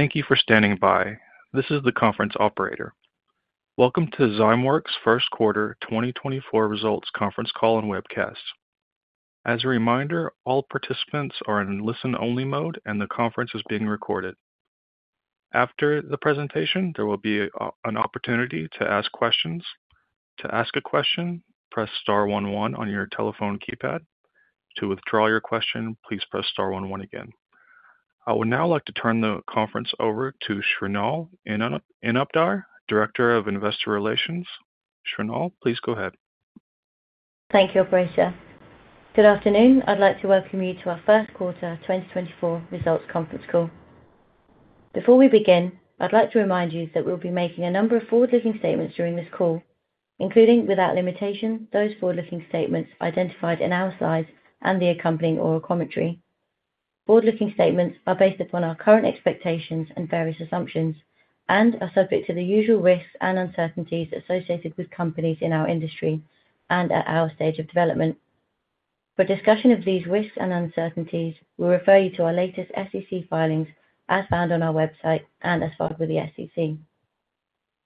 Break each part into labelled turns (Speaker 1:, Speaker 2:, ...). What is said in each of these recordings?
Speaker 1: Thank you for standing by. This is the conference operator. Welcome to Zymeworks' Q1 2024 results conference call and webcast. As a reminder, all participants are in listen-only mode, and the conference is being recorded. After the presentation, there will be an opportunity to ask questions. To ask a question, press star one one on your telephone keypad. To withdraw your question, please press star one one again. I would now like to turn the conference over to Shrinal Inamdar, Director of Investor Relations. Shrinal, please go ahead.
Speaker 2: Thank you, operator. Good afternoon. I'd like to welcome you to our Q1 2024 results conference call. Before we begin, I'd like to remind you that we'll be making a number of forward-looking statements during this call, including, without limitation, those forward-looking statements identified in our slides and the accompanying oral commentary. Forward-looking statements are based upon our current expectations and various assumptions and are subject to the usual risks and uncertainties associated with companies in our industry and at our stage of development. For discussion of these risks and uncertainties, we refer you to our latest SEC filings as found on our website and as filed with the SEC.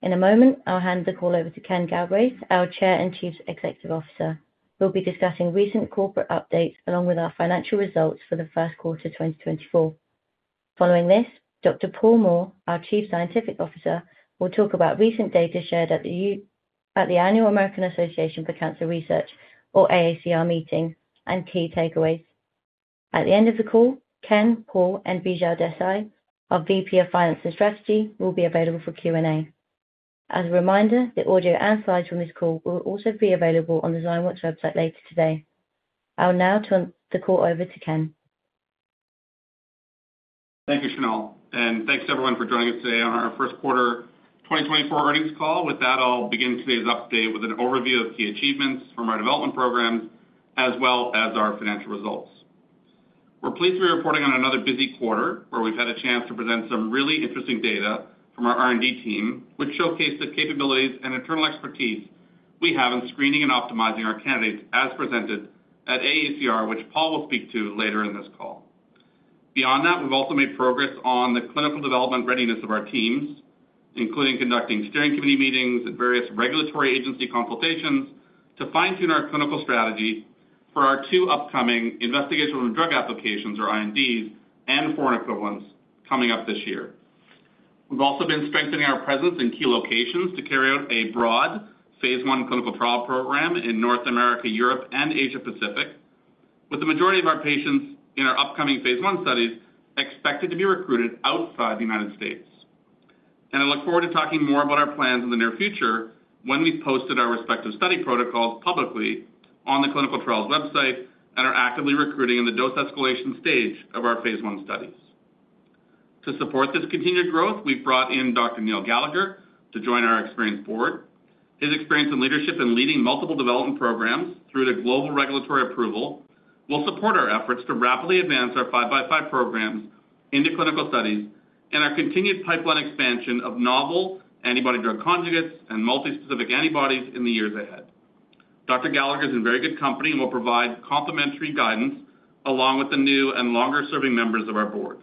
Speaker 2: In a moment, I'll hand the call over to Ken Galbraith, our Chair and Chief Executive Officer, who will be discussing recent corporate updates along with our financial results for the Q1 2024. Following this, Dr. Paul Moore, our Chief Scientific Officer, will talk about recent data shared at the annual American Association for Cancer Research, or AACR Meeting, and key takeaways. At the end of the call, Ken, Paul, and Bijal Desai, our VP of Finance and Strategy, will be available for Q&A. As a reminder, the audio and slides from this call will also be available on the Zymeworks website later today. I'll now turn the call over to Ken.
Speaker 3: Thank you, Shrinal, and thanks, everyone, for joining us today on our Q1 2024 earnings call. With that, I'll begin today's update with an overview of key achievements from our development programs as well as our financial results. We're pleased to be reporting on another busy quarter, where we've had a chance to present some really interesting data from our R&D team, which showcased the capabilities and internal expertise we have in screening and optimizing our candidates, as presented at AACR, which Paul will speak to later in this call. Beyond that, we've also made progress on the clinical development readiness of our teams, including conducting steering committee meetings and various regulatory agency consultations, to fine-tune our clinical strategy for our two upcoming Investigational New Drug applications, or INDs, and foreign equivalents coming up this year. We've also been strengthening our presence in key locations to carry out a broad phase I clinical trial program in North America, Europe, and Asia Pacific, with the majority of our patients in our upcoming phase I studies expected to be recruited outside the United States. I look forward to talking more about our plans in the near future when we've posted our respective study protocols publicly on the clinical trials website and are actively recruiting in the dose escalation stage of our phase I studies. To support this continued growth, we've brought in Dr. Neil Gallagher to join our experienced board. His experience and leadership in leading multiple development programs through to global regulatory approval will support our efforts to rapidly advance our 5 by 5 programs into clinical studies and our continued pipeline expansion of novel antibody-drug conjugates and multi-specific antibodies in the years ahead. Dr. Gallagher is in very good company and will provide complementary guidance, along with the new and longer-serving members of our board.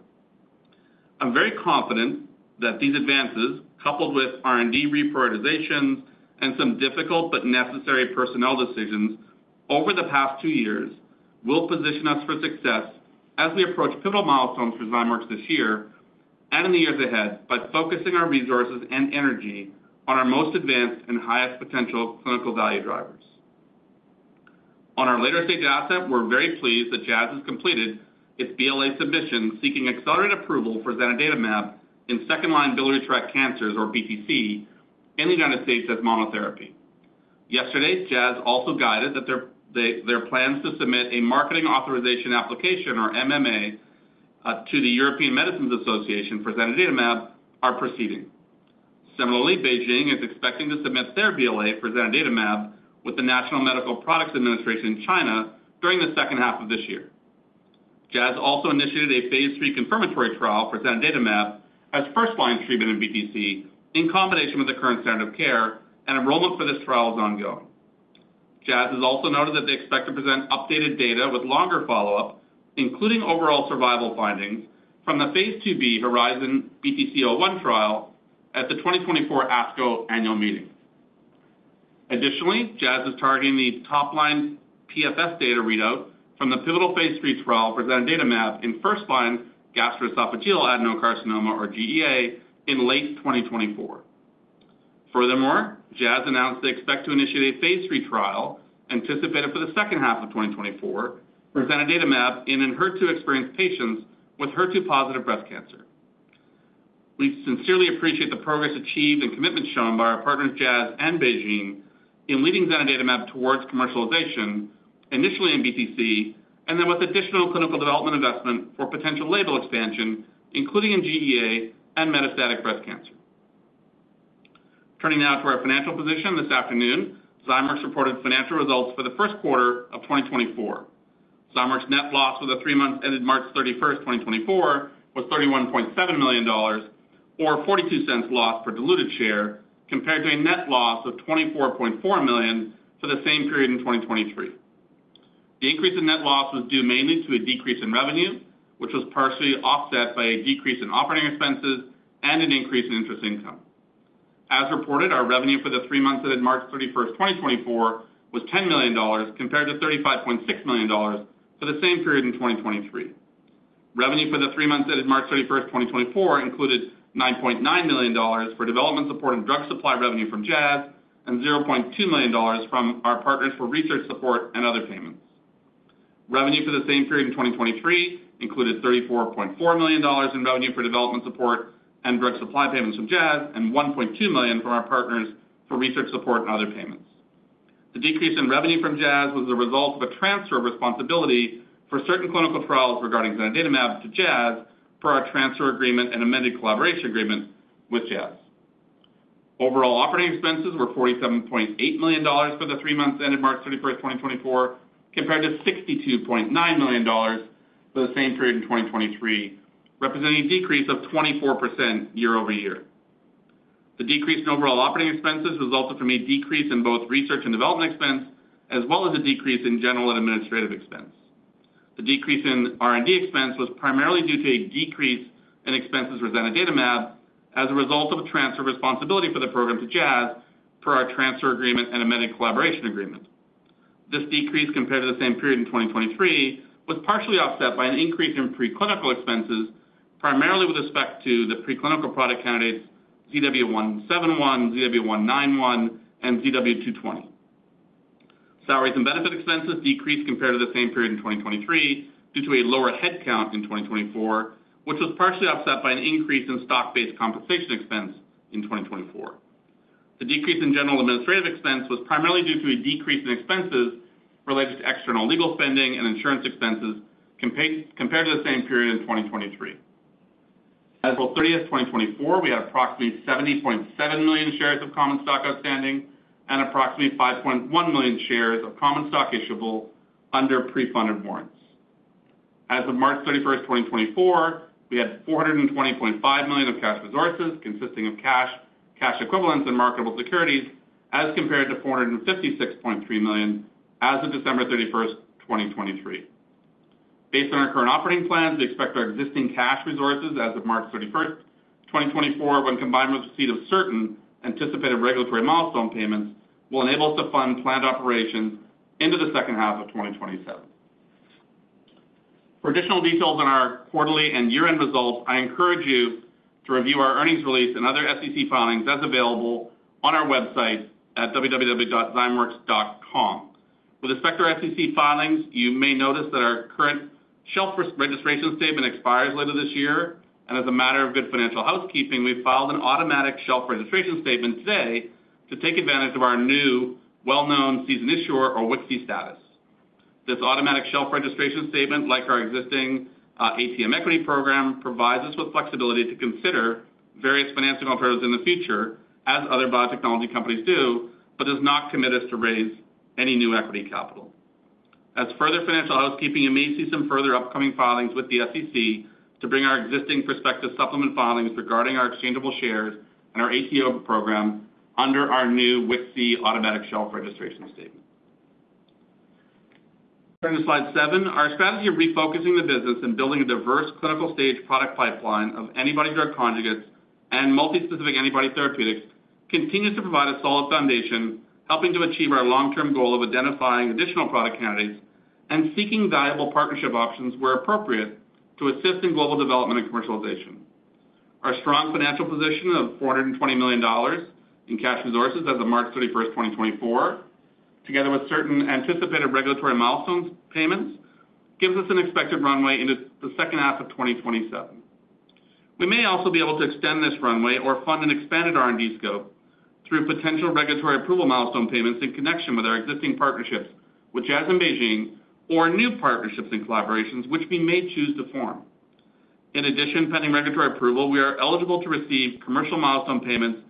Speaker 3: I'm very confident that these advances, coupled with R&D reprioritizations and some difficult but necessary personnel decisions over the past two years, will position us for success as we approach pivotal milestones for Zymeworks this year and in the years ahead, by focusing our resources and energy on our most advanced and highest potential clinical value drivers. On our later-stage asset, we're very pleased that Jazz has completed its BLA submission, seeking accelerated approval for zanidatamab in second-line biliary tract cancers, or BTC, in the United States as monotherapy. Yesterday, Jazz also guided that their plans to submit a marketing authorization application, or MAA, to the European Medicines Agency for zanidatamab, are proceeding. Similarly, BeiGene is expecting to submit their BLA for zanidatamab with the National Medical Products Administration in China during the second half of this year. Jazz also initiated a phase 3 confirmatory trial for zanidatamab as first-line treatment in BTC in combination with the current standard of care, and enrollment for this trial is ongoing. Jazz has also noted that they expect to present updated data with longer follow-up, including overall survival findings from the phase 2B HERIZON BTC01 trial at the 2024 ASCO annual meeting. Additionally, Jazz is targeting the top-line PFS data readout from the pivotal phase 3 trial for zanidatamab in first-line gastroesophageal adenocarcinoma, or GEA, in late 2024. Furthermore, Jazz announced they expect to initiate a phase 3 trial, anticipated for the second half of 2024, for zanidatamab Enhertu experienced patients with HER2 positive breast cancer. We sincerely appreciate the progress achieved and commitment shown by our partners, Jazz and BeiGene, in leading zanidatamab towards commercialization, initially in BTC, and then with additional clinical development investment for potential label expansion, including in GEA and metastatic breast cancer. Turning now to our financial position this afternoon, Zymeworks reported financial results for the Q1 of 2024. Zymeworks' net loss for the three months ended March 31, 2024, was $31.7 million, or $0.42 loss per diluted share, compared to a net loss of $24.4 million for the same period in 2023. The increase in net loss was due mainly to a decrease in revenue, which was partially offset by a decrease in operating expenses and an increase in interest income. As reported, our revenue for the three months ended March 31, 2024, was $10 million, compared to $35.6 million for the same period in 2023. Revenue for the three months ended March 31, 2024, included $9.9 million for development support and drug supply revenue from Jazz, and $0.2 million from our partners for research support and other payments. Revenue for the same period in 2023 included $34.4 million in revenue for development support and drug supply payments from Jazz, and $1.2 million from our partners for research support and other payments. The decrease in revenue from Jazz was the result of a transfer of responsibility for certain clinical trials regarding zanidatamab to Jazz for our transfer agreement and amended collaboration agreement with Jazz. Overall, operating expenses were $47.8 million for the three months ended March 31, 2024, compared to $62.9 million for the same period in 2023, representing a decrease of 24% year-over-year. The decrease in overall operating expenses resulted from a decrease in both research and development expense, as well as a decrease in general and administrative expense. The decrease in R&D expense was primarily due to a decrease in expenses for zanidatamab as a result of a transfer of responsibility for the program to Jazz for our transfer agreement and amended collaboration agreement. This decrease, compared to the same period in 2023, was partially offset by an increase in preclinical expenses, primarily with respect to the preclinical product candidates ZW171, ZW191, and ZW220. Salaries and benefit expenses decreased compared to the same period in 2023, due to a lower headcount in 2024, which was partially offset by an increase in stock-based compensation expense in 2024. The decrease in general administrative expense was primarily due to a decrease in expenses related to external legal spending and insurance expenses compared to the same period in 2023. As of April 30, 2024, we had approximately 70.7 million shares of common stock outstanding and approximately 5.1 million shares of common stock issuable under pre-funded warrants. As of March 31, 2024, we had $420.5 million of cash resources, consisting of cash, cash equivalents, and marketable securities, as compared to $456.3 million as of December 31, 2023. Based on our current operating plans, we expect our existing cash resources as of March 31, 2024, when combined with the receipt of certain anticipated regulatory milestone payments, will enable us to fund planned operations into the second half of 2027. For additional details on our quarterly and year-end results, I encourage you to review our earnings release and other SEC filings as available on our website at www.zymeworks.com. With respect to our SEC filings, you may notice that our current shelf registration statement expires later this year, and as a matter of good financial housekeeping, we've filed an automatic shelf registration statement today to take advantage of our new well-known seasoned issuer or WKSI status. This automatic shelf registration statement, like our existing ATM equity program, provides us with flexibility to consider various financing alternatives in the future, as other biotechnology companies do, but does not commit us to raise any new equity capital. As further financial housekeeping, you may see some further upcoming filings with the SEC to bring our existing prospectus supplement filings regarding our exchangeable shares and our ATM program under our new WKSI automatic shelf registration statement. Turning to Slide 7. Our strategy of refocusing the business and building a diverse clinical-stage product pipeline of antibody drug conjugates and multispecific antibody therapeutics continues to provide a solid foundation, helping to achieve our long-term goal of identifying additional product candidates and seeking valuable partnership options where appropriate, to assist in global development and commercialization. Our strong financial position of $420 million in cash resources as of March 31, 2024, together with certain anticipated regulatory milestone payments, gives us an expected runway into the second half of 2027. We may also be able to extend this runway or fund an expanded R&D scope through potential regulatory approval milestone payments in connection with our existing partnerships with Jazz and BeiGene, or new partnerships and collaborations, which we may choose to form. In addition, pending regulatory approval, we are eligible to receive commercial milestone payments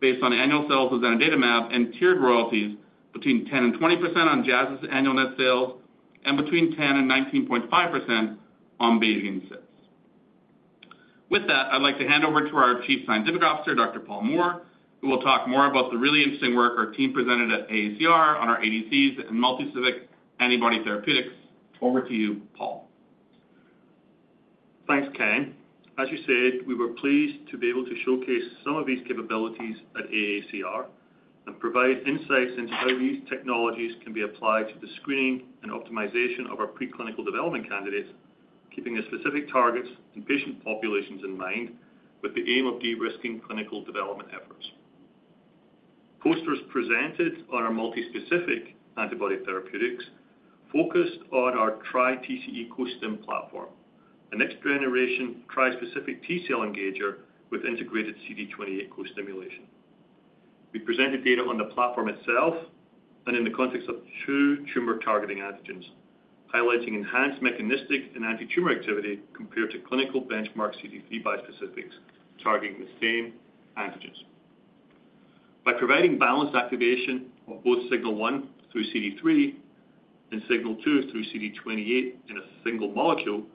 Speaker 3: based on annual sales of zanidatamab and tiered royalties between 10%-20% on Jazz's annual net sales, and between 10%-19.5% on BeiGene's sales. With that, I'd like to hand over to our Chief Scientific Officer, Dr. Paul Moore, who will talk more about the really interesting work our team presented at AACR on our ADCs and multispecific antibody therapeutics. Over to you, Paul.
Speaker 4: Thanks, Ken. As you said, we were pleased to be able to showcase some of these capabilities at AACR and provide insights into how these technologies can be applied to the screening and optimization of our preclinical development candidates, keeping the specific targets and patient populations in mind with the aim of de-risking clinical development efforts. Posters presented on our multispecific antibody therapeutics focused on our TriTCE Co-Stim platform, a next-generation trispecific T-cell engager with integrated CD28 co-stimulation. We presented data on the platform itself and in the context of two tumor-targeting antigens, highlighting enhanced mechanistic and antitumor activity compared to clinical benchmark CD3 bispecifics targeting the same antigens. By providing balanced activation of both signal one through CD3 and signal two through CD28 in a single molecule-...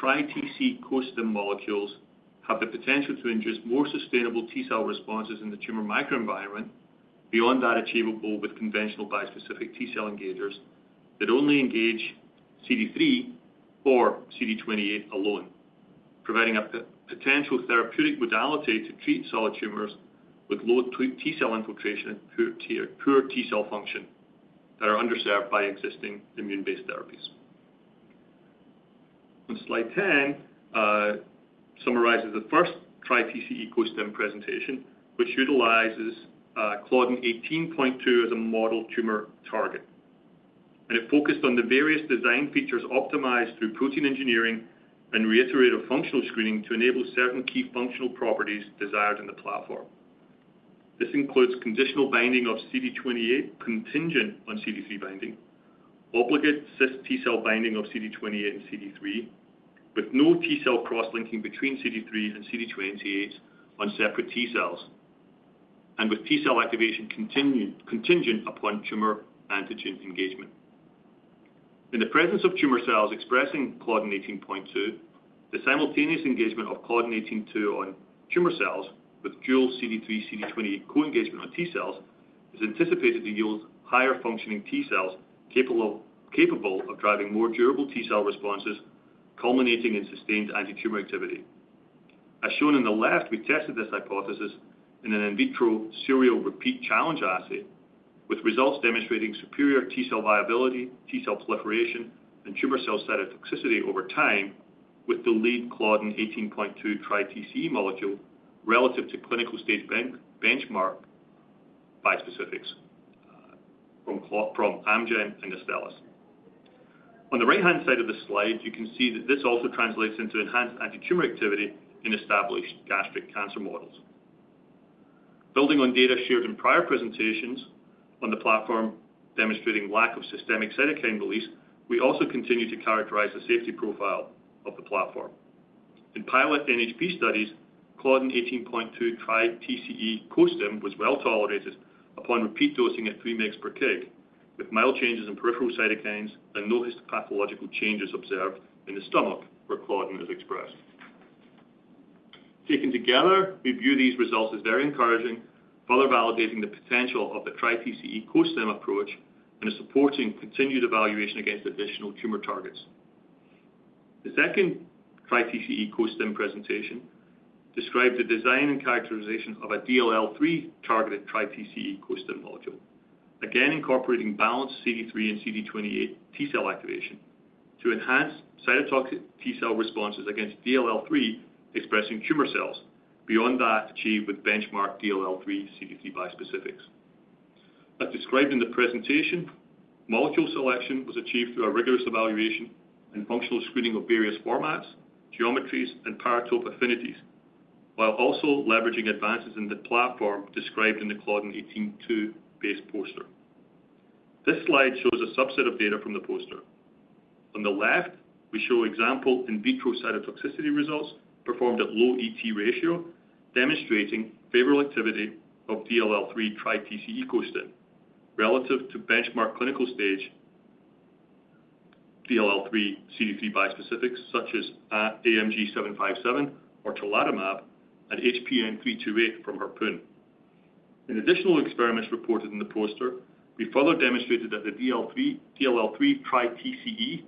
Speaker 4: TriTCE Co-Stim molecules have the potential to induce more sustainable T cell responses in the tumor microenvironment, beyond that achievable with conventional bispecific T cell engagers that only engage CD3 or CD28 alone, providing a potential therapeutic modality to treat solid tumors with low T cell infiltration, poor T cell function, that are underserved by existing immune-based therapies. On slide 10, summarizes the first TriTCE Co-Stim presentation, which utilizes claudin 18.2 as a model tumor target. It focused on the various design features optimized through protein engineering and reiterative functional screening to enable certain key functional properties desired in the platform. This includes conditional binding of CD28, contingent on CD3 binding, obligate cis T cell binding of CD28 and CD3, with no T cell cross-linking between CD3 and CD28 on separate T cells, and with T cell activation contingent upon tumor antigen engagement. In the presence of tumor cells expressing claudin 18.2, the simultaneous engagement of claudin 18.2 on tumor cells with dual CD3/CD28 co-engagement on T cells, is anticipated to yield higher functioning T cells capable of driving more durable T cell responses, culminating in sustained antitumor activity. As shown on the left, we tested this hypothesis in an in vitro serial repeat challenge assay, with results demonstrating superior T cell viability, T cell proliferation, and tumor cell cytotoxicity over time, with the lead claudin 18.2 TriTCE molecule, relative to clinical stage benchmark bispecifics from Amgen and Astellas. On the right-hand side of the slide, you can see that this also translates into enhanced antitumor activity in established gastric cancer models. Building on data shared in prior presentations on the platform, demonstrating lack of systemic cytokine release, we also continue to characterize the safety profile of the platform. In pilot NHP studies, claudin 18.2 TriTCE Co-Stim was well tolerated upon repeat dosing at 3 mg/kg, with mild changes in peripheral cytokines and no histopathological changes observed in the stomach, where claudin is expressed. Taken together, we view these results as very encouraging, further validating the potential of the TriTCE Co-Stim approach, and is supporting continued evaluation against additional tumor targets. The second TriTCE Co-Stim presentation describes the design and characterization of a DLL3-targeted TriTCE Co-Stim molecule. Again, incorporating balanced CD3 and CD28 T cell activation to enhance cytotoxic T cell responses against DLL3 expressing tumor cells, beyond that achieved with benchmark DLL3 CD3 bispecifics. As described in the presentation, molecule selection was achieved through a rigorous evaluation and functional screening of various formats, geometries, and paratope affinities, while also leveraging advances in the platform described in the claudin 18.2-based poster. This slide shows a subset of data from the poster. On the left, we show example in vitro cytotoxicity results performed at low ET ratio, demonstrating favorable activity of DLL3 TriTCE Co-Stim, relative to benchmark clinical stage DLL3 CD3 bispecifics, such as, AMG 757, or tarlatamab, and HPN328 from Harpoon. In additional experiments reported in the poster, we further demonstrated that the DLL3 TriTCE,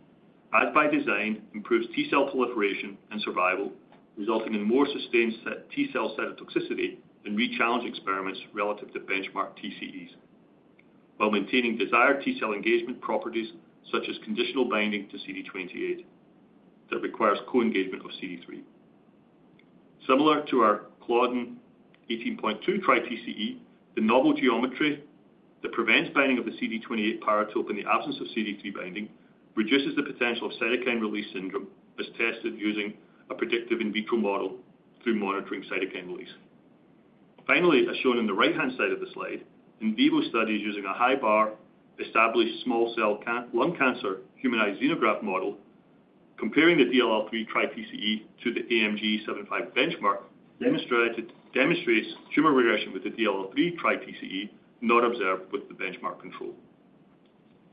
Speaker 4: as by design, improves T cell proliferation and survival, resulting in more sustained T cell cytotoxicity in rechallenge experiments relative to benchmark TCEs, while maintaining desired T cell engagement properties, such as conditional binding to CD28, that requires co-engagement of CD3. Similar to our claudin 18.2 TriTCE, the novel geometry that prevents binding of the CD28 paratope in the absence of CD3 binding, reduces the potential of cytokine release syndrome, as tested using a predictive in vitro model through monitoring cytokine release. Finally, as shown in the right-hand side of the slide, in vivo studies using a high-bar, established small cell lung cancer, humanized xenograft model, comparing the DLL3 TriTCE to the AMG 757 benchmark, demonstrates tumor regression with the DLL3 TriTCE, not observed with the benchmark control.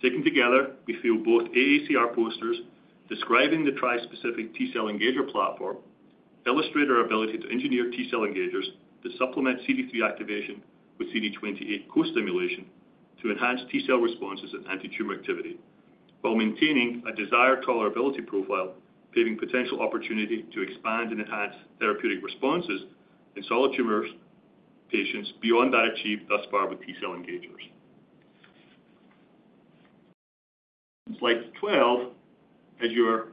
Speaker 4: Taken together, we feel both AACR posters describing the trispecific T cell engager platform illustrate our ability to engineer T cell engagers to supplement CD3 activation with CD28 co-stimulation, to enhance T cell responses and antitumor activity, while maintaining a desired tolerability profile, giving potential opportunity to expand and enhance therapeutic responses in solid tumor patients, beyond that achieved thus far with T cell engagers. Slide 12, as you're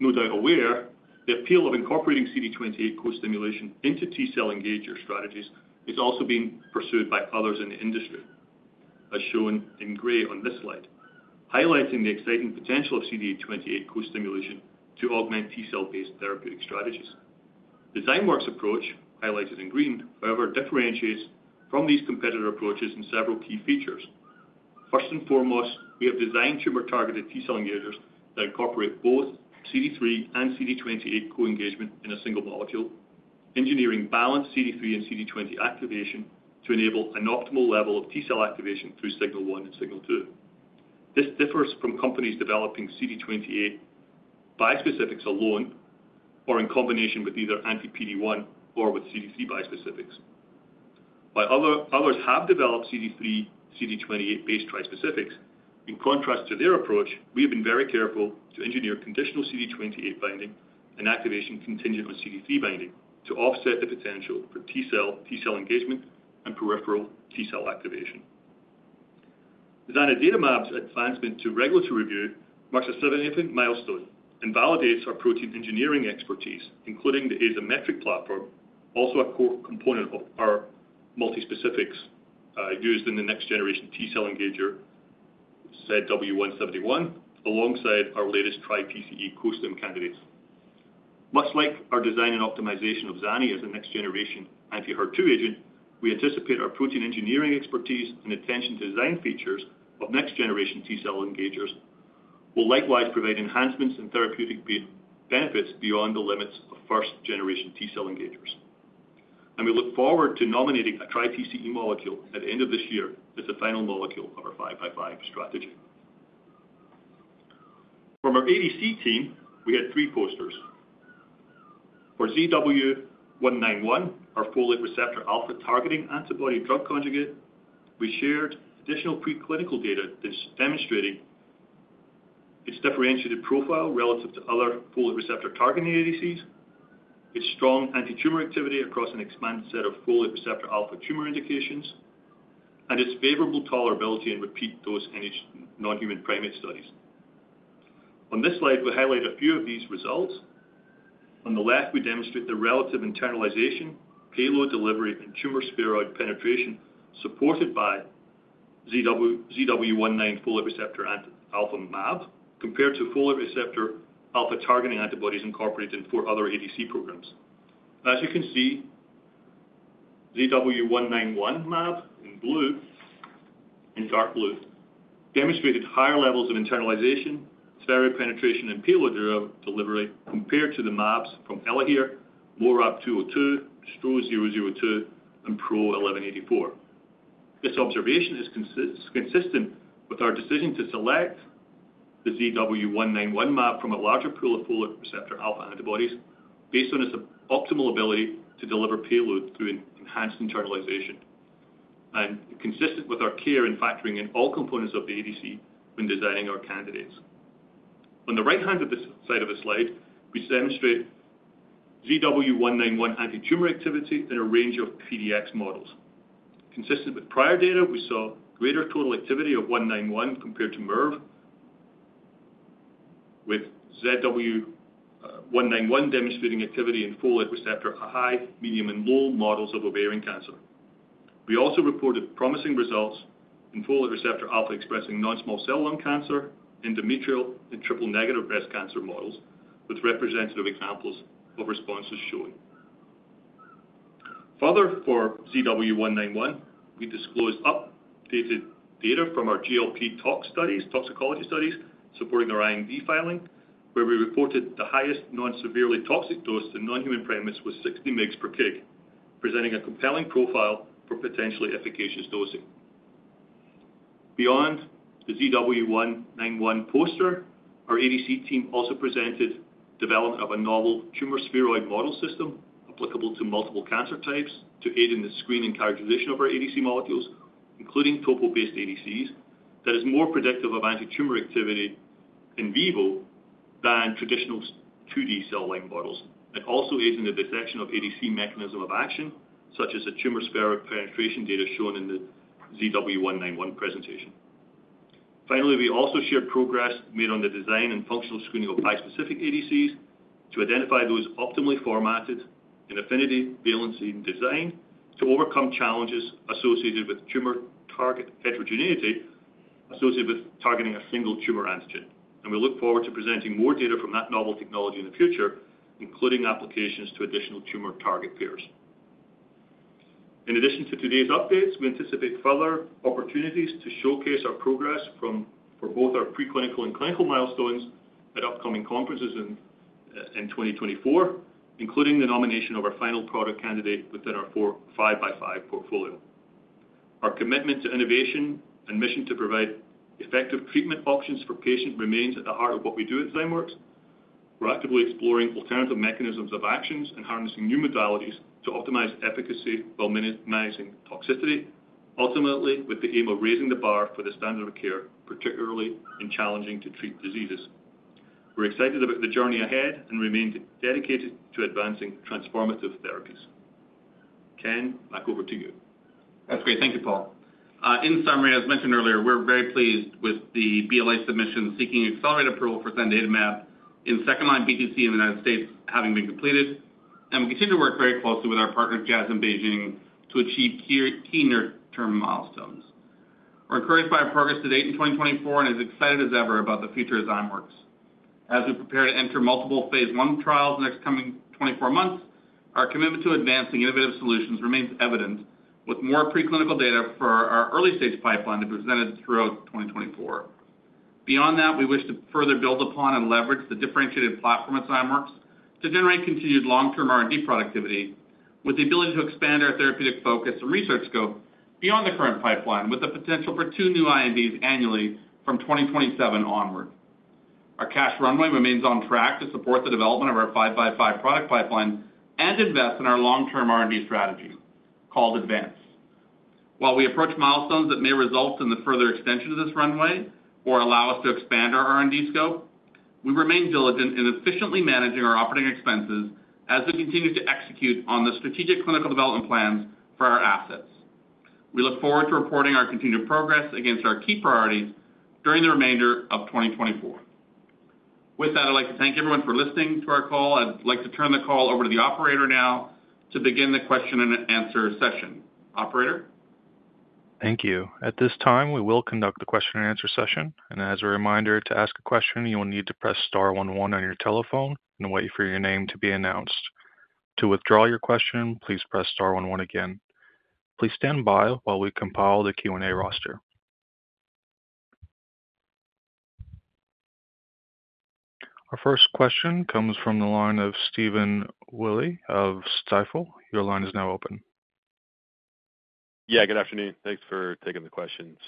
Speaker 4: no doubt aware, the appeal of incorporating CD28 co-stimulation into T cell engager strategies is also being pursued by others in the industry, as shown in gray on this slide, highlighting the exciting potential of CD28 co-stimulation to augment T cell-based therapeutic strategies. Zymeworks' approach, highlighted in green, however, differentiates from these competitor approaches in several key features. First and foremost, we have designed tumor-targeted T cell engagers that incorporate both CD3 and CD28 co-engagement in a single molecule, engineering balanced CD3 and CD28 activation to enable an optimal level of T cell activation through signal one and signal two. This differs from companies developing CD28 bispecifics alone, or in combination with either anti-PD-1 or with CD3 bispecifics. While others have developed CD3/CD28-based trispecifics, in contrast to their approach, we have been very careful to engineer conditional CD28 binding and activation contingent on CD3 binding to offset the potential for T-cell engagement and peripheral T-cell activation. zanidatamab's advancement to regulatory review marks a significant milestone and validates our protein engineering expertise, including the asymmetric platform, also a core component of our multispecifics, used in the next generation T-cell engager, ZW171, alongside our latest TriTCE co-stim candidates. Much like our design and optimization of Zani as a next-generation anti-HER2 agent, we anticipate our protein engineering expertise and attention to design features of next-generation T-cell engagers will likewise provide enhancements and therapeutic benefits beyond the limits of first-generation T-cell engagers. We look forward to nominating a TriTCE molecule at the end of this year as the final molecule of our five-by-five strategy. From our ADC team, we had three posters. For ZW-191, our folate receptor alpha-targeting antibody-drug conjugate, we shared additional preclinical data that's demonstrating its differentiated profile relative to other folate receptor-targeting ADCs, its strong antitumor activity across an expanded set of folate receptor alpha tumor indications, and its favorable tolerability in repeat-dose NHP studies. On this slide, we highlight a few of these results. On the left, we demonstrate the relative internalization, payload delivery, and tumor spheroid penetration supported by ZW191 folate receptor alpha mAb, compared to folate receptor alpha-targeting antibodies incorporated in four other ADC programs. As you can see, ZW191 mAb in blue, in dark blue, demonstrated higher levels of internalization, spheroid penetration, and payload delivery compared to the mAbs from Elahere, MORAB-202, STRO-002, and PRO1184. This observation is consistent with our decision to select the ZW191 mAb from a larger pool of folate receptor alpha antibodies based on its optimal ability to deliver payload through an enhanced internalization, and consistent with our care in factoring in all components of the ADC when designing our candidates. On the right-hand of this side of the slide, we demonstrate ZW191 antitumor activity in a range of PDX models. Consistent with prior data, we saw greater total activity of ZW191 compared to MIRV, with ZW191 demonstrating activity in folate receptor high, medium, and low models of ovarian cancer. We also reported promising results in folate receptor-alpha-expressing non-small cell lung cancer, endometrial, and triple-negative breast cancer models, with representative examples of responses shown. Further, for ZW191, we disclosed updated data from our GLP tox studies, toxicology studies, supporting our IND filing, where we reported the highest non-severely toxic dose to non-human primates was 60 mg/kg, presenting a compelling profile for potentially efficacious dosing. Beyond the ZW191 poster, our ADC team also presented development of a novel tumor spheroid model system applicable to multiple cancer types to aid in the screen and characterization of our ADC molecules, including topo-based ADCs, that is more predictive of antitumor activity in vivo than traditional 2D cell line models, and also aids in the detection of ADC mechanism of action, such as the tumor spheroid penetration data shown in the ZW191 presentation. Finally, we also shared progress made on the design and functional screening of bispecific ADCs to identify those optimally formatted in affinity, valency, and design to overcome challenges associated with tumor target heterogeneity, associated with targeting a single tumor antigen. We look forward to presenting more data from that novel technology in the future, including applications to additional tumor target pairs. In addition to today's updates, we anticipate further opportunities to showcase our progress for both our preclinical and clinical milestones at upcoming conferences in 2024, including the nomination of our final product candidate within our five-by-five portfolio. Our commitment to innovation and mission to provide effective treatment options for patients remains at the heart of what we do at Zymeworks. We're actively exploring alternative mechanisms of actions and harnessing new modalities to optimize efficacy while minimizing toxicity, ultimately, with the aim of raising the bar for the standard of care, particularly in challenging to treat diseases. We're excited about the journey ahead and remain dedicated to advancing transformative therapies. Ken, back over to you.
Speaker 3: That's great. Thank you, Paul. In summary, as mentioned earlier, we're very pleased with the BLA submission seeking accelerated approval for zanidatamab in second-line BTC in the United States having been completed, and we continue to work very closely with our partner, Jazz and BeiGene, to achieve key, key near-term milestones. We're encouraged by our progress to date in 2024 and as excited as ever about the future of Zymeworks. As we prepare to enter multiple phase I trials in the next coming 24 months, our commitment to advancing innovative solutions remains evident, with more preclinical data for our early-stage pipeline to be presented throughout 2024. Beyond that, we wish to further build upon and leverage the differentiated platform at Zymeworks to generate continued long-term R&D productivity.... with the ability to expand our therapeutic focus and research scope beyond the current pipeline, with the potential for two new INDs annually from 2027 onward. Our cash runway remains on track to support the development of our 5 by 5 product pipeline and invest in our long-term R&D strategy, called Advance. While we approach milestones that may result in the further extension of this runway or allow us to expand our R&D scope, we remain diligent in efficiently managing our operating expenses as we continue to execute on the strategic clinical development plans for our assets. We look forward to reporting our continued progress against our key priorities during the remainder of 2024. With that, I'd like to thank everyone for listening to our call. I'd like to turn the call over to the operator now to begin the question-and-answer session. Operator?
Speaker 1: Thank you. At this time, we will conduct the question-and-answer session. As a reminder, to ask a question, you will need to press star one one on your telephone and wait for your name to be announced. To withdraw your question, please press star one one again. Please stand by while we compile the Q&A roster. Our first question comes from the line of Stephen Willey of Stifel. Your line is now open.
Speaker 5: Yeah, good afternoon. Thanks for taking the questions.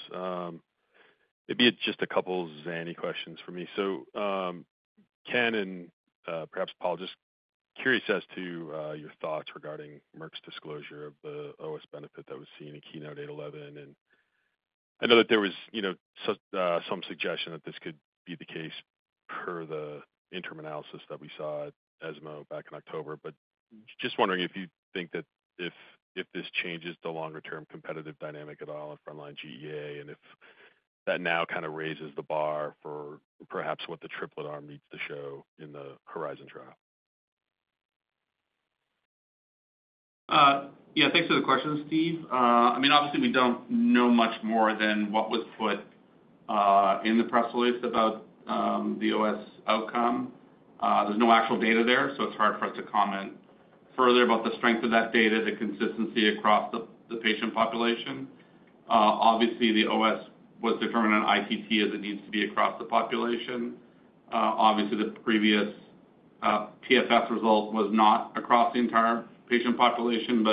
Speaker 5: Maybe it's just a couple zanidatamab questions for me. So, Ken, and, perhaps Paul, just curious as to your thoughts regarding Merck's disclosure of the OS benefit that was seen in KEYNOTE-811. And I know that there was, you know, some suggestion that this could be the case per the interim analysis that we saw at ESMO back in October, but just wondering if you think that if this changes the longer-term competitive dynamic at all in frontline GEA, and if that now kind of raises the bar for perhaps what the triplet arm needs to show in the HERIZON trial?
Speaker 3: Yeah, thanks for the question, Steve. I mean, obviously, we don't know much more than what was put in the press release about the OS outcome. There's no actual data there, so it's hard for us to comment further about the strength of that data, the consistency across the patient population. Obviously, the OS was determined on ITT as it needs to be across the population. Obviously, the previous PFS result was not across the entire patient population,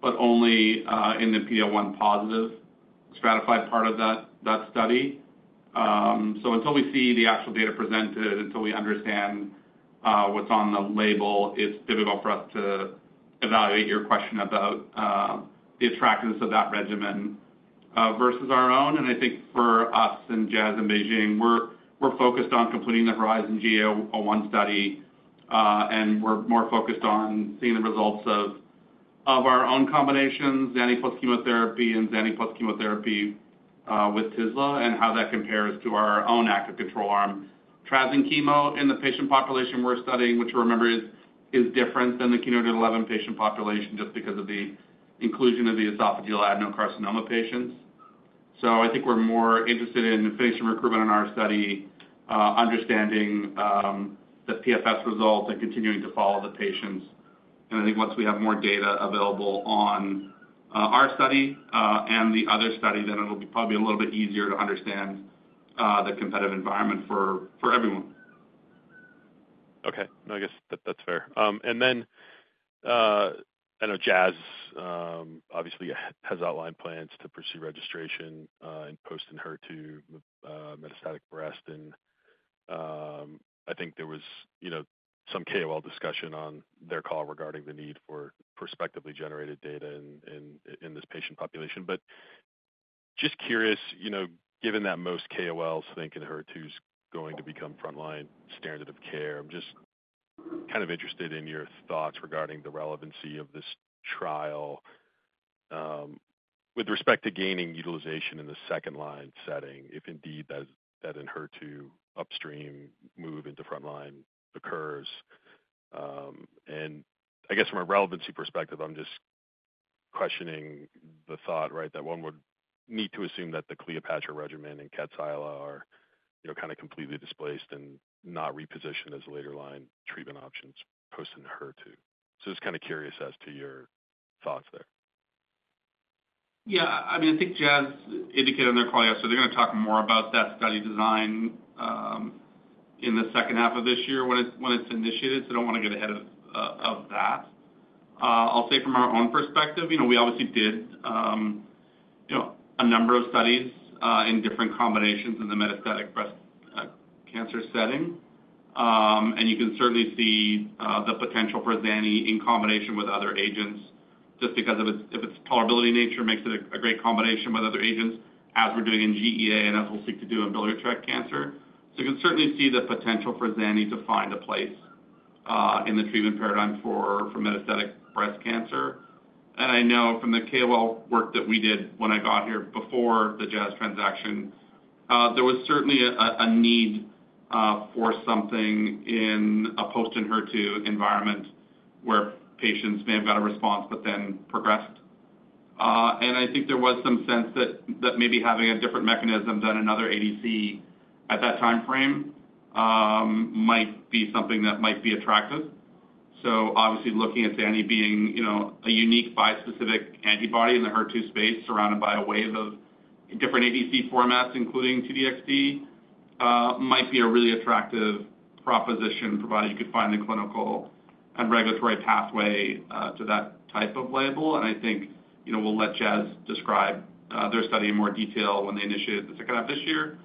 Speaker 3: but only in the PD-L1 positive stratified part of that study. So until we see the actual data presented, until we understand what's on the label, it's difficult for us to evaluate your question about the attractiveness of that regimen versus our own. I think for us at Jazz and BeiGene, we're, we're focused on completing the HERIZON GEA1 study, and we're more focused on seeing the results of, of our own combinations, Zani plus chemotherapy, and Zani plus chemotherapy with tislelizumab, and how that compares to our own active control arm. Traz and chemo in the patient population we're studying, which, remember, is different than the KEYNOTE-811 patient population just because of the inclusion of the esophageal adenocarcinoma patients. So I think we're more interested in the patient recruitment in our study, understanding the PFS results and continuing to follow the patients. And I think once we have more data available on our study and the other study, then it'll be probably a little bit easier to understand the competitive environment for everyone.
Speaker 5: Okay. No, I guess that, that's fair. And then, I know Jazz obviously has outlined plans to pursue registration, and post Enhertu, metastatic breast. And I think there was, you know, some KOL discussion on their call regarding the need for prospectively generated data in this patient population. But just curious, you know, given that most KOLs think Enhertu is going to become frontline standard of care, I'm just kind of interested in your thoughts regarding the relevancy of this trial, with respect to gaining utilization in the second-line setting, if indeed that Enhertu upstream move into frontline occurs. And I guess from a relevancy perspective, I'm just questioning the thought, right, that one would need to assume that the CLEOPATRA regimen and Kadcyla are, you know, kind of completely displaced and not repositioned as later line treatment options post Enhertu. So just kind of curious as to your thoughts there.
Speaker 3: Yeah, I mean, I think Jazz indicated on their call, so they're going to talk more about that study design in the second half of this year when it's initiated. So I don't want to get ahead of that. I'll say from our own perspective, you know, we obviously did, you know, a number of studies in different combinations in the metastatic breast cancer setting. And you can certainly see the potential for Xani in combination with other agents just because of its tolerability nature makes it a great combination with other agents, as we're doing in GEA, and as we'll seek to do in biliary tract cancer. So you can certainly see the potential for Xani to find a place in the treatment paradigm for metastatic breast cancer. I know from the KOL work that we did when I got here before the Jazz transaction, there was certainly a need for something in a post-HER2 environment where patients may have got a response but then progressed. I think there was some sense that maybe having a different mechanism than another ADC at that time frame might be something that might be attractive. Obviously, looking at Xani being, you know, a unique bispecific antibody in the HER2 space, surrounded by a wave of different ADC formats, including T-DXd, might be a really attractive proposition, provided you could find the clinical and regulatory pathway to that type of label. And I think, you know, we'll let Jazz describe their study in more detail when they initiate the second half this year,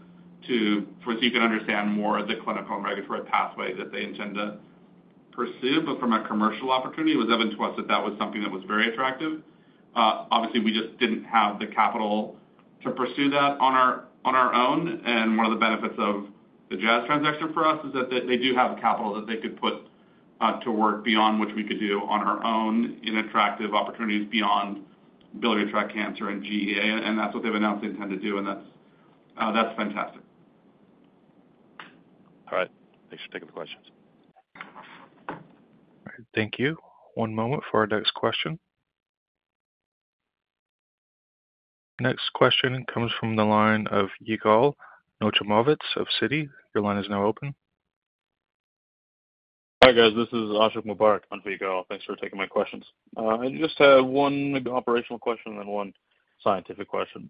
Speaker 3: so you can understand more of the clinical and regulatory pathway that they intend to pursue. But from a commercial opportunity, it was evident to us that that was something that was very attractive. Obviously, we just didn't have the capital to pursue that on our own. And one of the benefits of the Jazz transaction for us is that they do have the capital that they could put to work beyond what we could do on our own in attractive opportunities beyond biliary tract cancer and GEA, and that's what they've announced they intend to do, and that's fantastic.
Speaker 5: All right. Thanks for taking the questions.
Speaker 1: All right, thank you. One moment for our next question. Next question comes from the line of Yigal Nochomovitz of Citi. Your line is now open.
Speaker 6: Hi, guys, this is Ashiq Mubarack on Yigal. Thanks for taking my questions. I just have one maybe operational question and then one scientific question.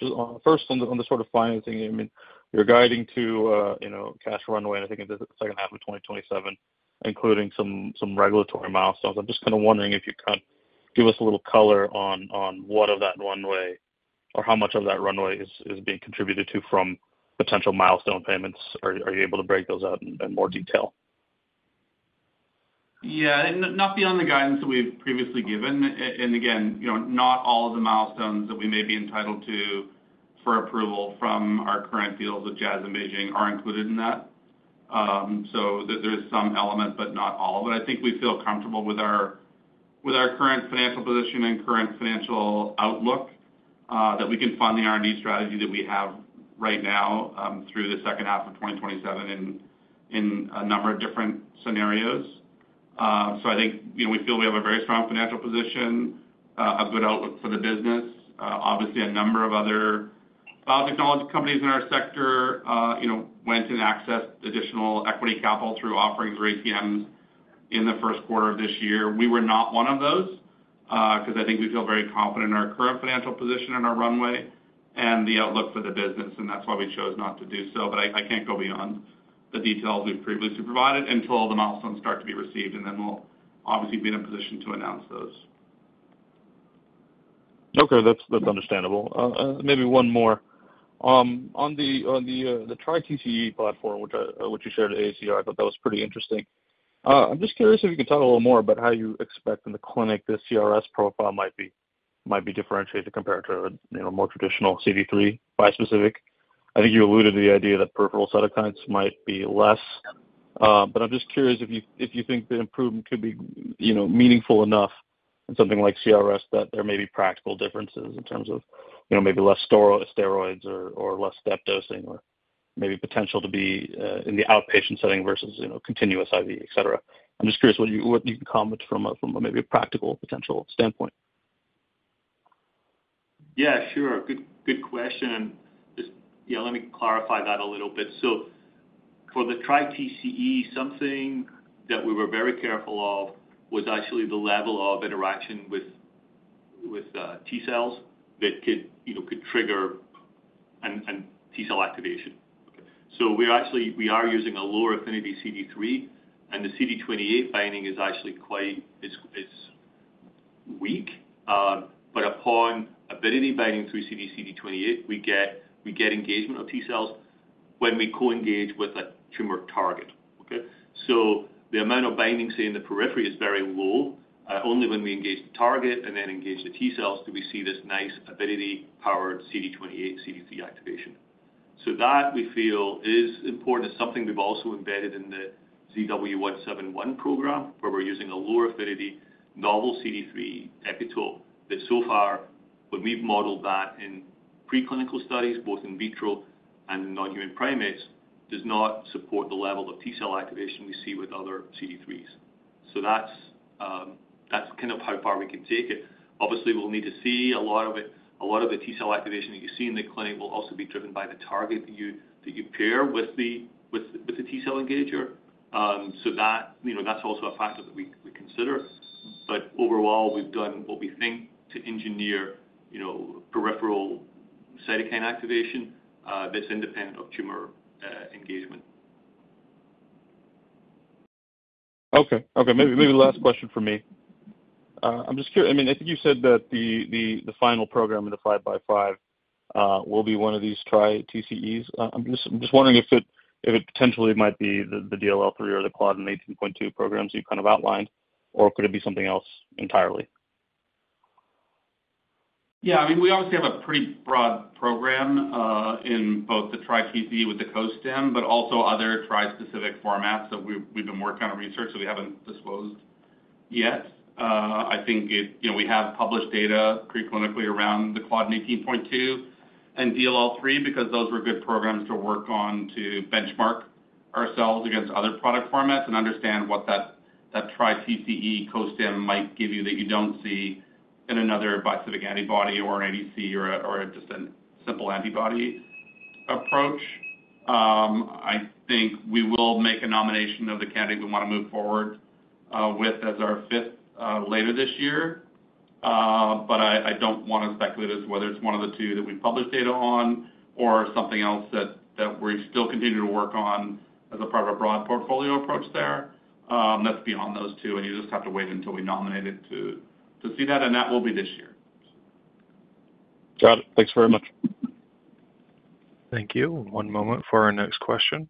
Speaker 6: Just on the first one, on the sort of financing, I mean, you're guiding to, you know, cash runway, and I think in the second half of 2027, including some regulatory milestones. I'm just kind of wondering if you can give us a little color on, on what of that runway or how much of that runway is, is being contributed to from potential milestone payments. Are you able to break those out in, in more detail?
Speaker 3: Yeah, not beyond the guidance that we've previously given. And again, you know, not all of the milestones that we may be entitled to for approval from our current deals with Jazz and BeiGene are included in that. So there, there is some element, but not all. But I think we feel comfortable with our, with our current financial position and current financial outlook, that we can fund the R&D strategy that we have right now, through the second half of 2027 in, in a number of different scenarios. So I think, you know, we feel we have a very strong financial position, a good outlook for the business. Obviously, a number of other biotechnology companies in our sector, you know, went and accessed additional equity capital through offerings or ATMs in the Q1 of this year. We were not one of those, because I think we feel very confident in our current financial position and our runway and the outlook for the business, and that's why we chose not to do so. But I can't go beyond the details we've previously provided until all the milestones start to be received, and then we'll obviously be in a position to announce those.
Speaker 6: Okay, that's understandable. Maybe one more. On the TriTCE platform, which you shared at ACR, I thought that was pretty interesting. I'm just curious if you could talk a little more about how you expect in the clinic, the CRS profile might be differentiated compared to, you know, more traditional CD3 bispecific. I think you alluded to the idea that peripheral cytokines might be less, but I'm just curious if you think the improvement could be, you know, meaningful enough in something like CRS, that there may be practical differences in terms of, you know, maybe less steroids or less step dosing, or maybe potential to be in the outpatient setting versus, you know, continuous IV, et cetera. I'm just curious what you can comment from maybe a practical potential standpoint.
Speaker 3: Yeah, sure. Good, good question. Just, yeah, let me clarify that a little bit. So, for the TriTCE, something that we were very careful of was actually the level of interaction with T cells that could, you know, could trigger a T-cell activation. So we actually, we are using a lower affinity CD3, and the CD28 binding is actually quite, it's weak. But upon avidity binding through CD28, we get engagement of T cells when we co-engage with a tumor target. Okay? So, the amount of binding, say, in the periphery, is very low. Only when we engage the target and then engage the T cells, do we see this nice avidity-powered CD28, CD3 activation. So that we feel is important. It's something we've also embedded in the ZW171 program, where we're using a lower affinity, novel CD3 epitope, that so far, when we've modeled that in preclinical studies, both in vitro and non-human primates, does not support the level of T-cell activation we see with other CD3s. So that's kind of how far we can take it. Obviously, we'll need to see a lot of it. A lot of the T-cell activation that you see in the clinic will also be driven by the target that you pair with the T-cell engager. So that, you know, that's also a factor that we consider. But overall, we've done what we think to engineer, you know, peripheral cytokine activation that's independent of tumor engagement.
Speaker 6: Okay. Okay, maybe, maybe the last question from me. I'm just curious. I mean, I think you said that the final program in the 5 by 5 will be one of these TriTCEs. I'm just wondering if it potentially might be the DLL3 or the claudin 18.2 programs you've kind of outlined, or could it be something else entirely?
Speaker 3: Yeah, I mean, we obviously have a pretty broad program in both the TriTCE Co-Stim, but also other trispecific formats that we've been working on research that we haven't disclosed yet. I think it... You know, we have published data preclinically around the claudin 18.2 and DLL3, because those were good programs to work on to benchmark ourselves against other product formats and understand what that TriTCE Co-Stim might give you that you don't see in another bispecific antibody or an ADC or just a simple antibody approach. I think we will make a nomination of the candidate we want to move forward with as our fifth later this year. But I don't want to speculate as to whether it's one of the two that we've published data on or something else that we still continue to work on as a part of our broad portfolio approach there. That's beyond those two, and you just have to wait until we nominate it to see that, and that will be this year.
Speaker 6: Got it. Thanks very much.
Speaker 1: Thank you. One moment for our next question.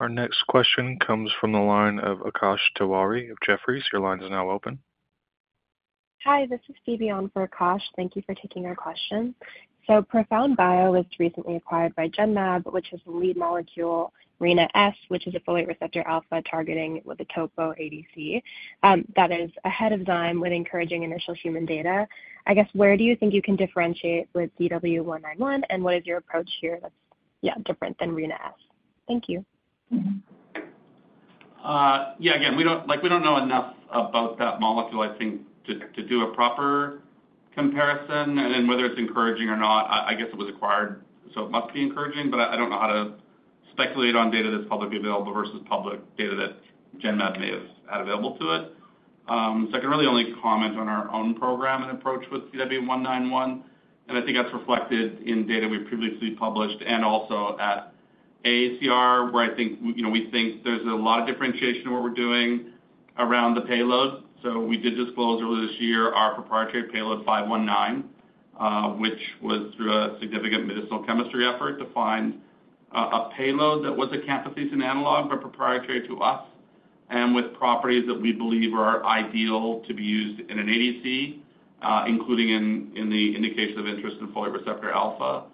Speaker 1: Our next question comes from the line of Akash Tiwari of Jefferies. Your line is now open.
Speaker 7: Hi, this is Siyi on for Akash. Thank you for taking our question. So ProfoundBio was recently acquired by Genmab, which is a lead molecule, Rina-S, which is a folate receptor alpha targeting with the topo ADC. That is ahead of time with encouraging initial human data. I guess, where do you think you can differentiate with ZW-191, and what is your approach here that's, yeah, different than Rina-S? Thank you.
Speaker 3: Yeah, again, we don't—like, we don't know enough about that molecule, I think, to do a proper comparison and then whether it's encouraging or not. I guess it was acquired, so it must be encouraging, but I don't know how to speculate on data that's publicly available versus public data that Genmab may have had available to it. So I can really only comment on our own program and approach with ZW191, and I think that's reflected in data we've previously published and also at AACR, where I think, you know, we think there's a lot of differentiation in what we're doing around the payload. We did disclose earlier this year our proprietary payload 519, which was through a significant medicinal chemistry effort to find a payload that was a camptothecin analog, but proprietary to us, and with properties that we believe are ideal to be used in an ADC, including in the indication of interest in folate receptor alpha.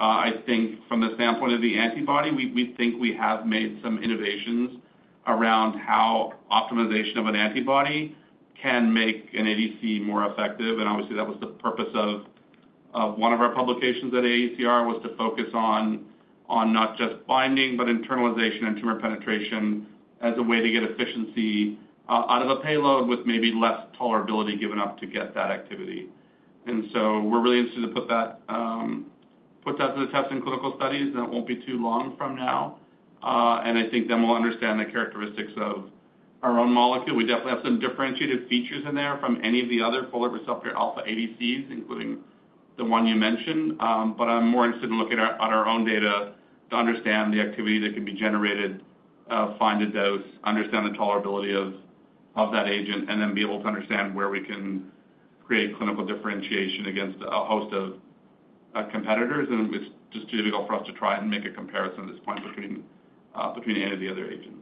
Speaker 3: I think from the standpoint of the antibody, we think we have made some innovations around how optimization of an antibody can make an ADC more effective. Obviously, that was the purpose of one of our publications at AACR, was to focus on not just binding, but internalization and tumor penetration as a way to get efficiency out of a payload with maybe less tolerability given up to get that activity. And so we're really interested to put that to the test in clinical studies, and it won't be too long from now. And I think then we'll understand the characteristics of our own molecule. We definitely have some differentiated features in there from any of the other folate receptor alpha ADCs, including the one you mentioned. But I'm more interested in looking at our own data to understand the activity that can be generated, find a dose, understand the tolerability of that agent, and then be able to understand where we can create clinical differentiation against a host of competitors. And it's just too difficult for us to try and make a comparison at this point between any of the other agents.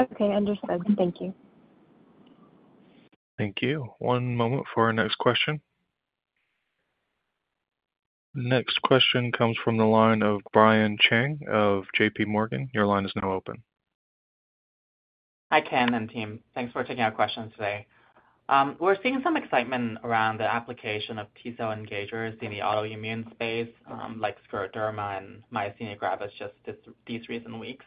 Speaker 7: Okay, understood. Thank you.
Speaker 1: Thank you. One moment for our next question. Next question comes from the line of Brian Cheng of JPMorgan. Your line is now open.
Speaker 8: Hi, Ken and team. Thanks for taking our questions today. We're seeing some excitement around the application of T-cell engagers in the autoimmune space, like scleroderma and myasthenia gravis, just these recent weeks.